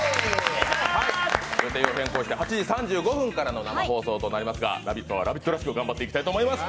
予定を変更して８時３５分からの生放送となりますが「ラヴィット！」は「ラヴィット！」らしく頑張っていきたいと思います。